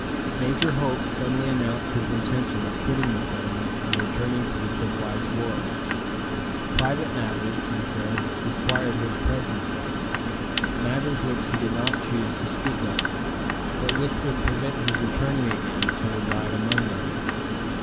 Major Hope suddenly announced his intention of quitting the settlement and returning to the civilized world. Private matters, he said, required his presence there matters which he did not choose to speak of, but which would prevent his returning again to reside among them.